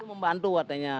itu membantu artinya